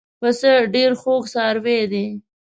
پسه ډېر خوږ څاروی دی.